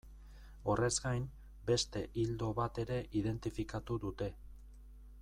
Horrez gain, beste ildo bat ere identifikatu dute.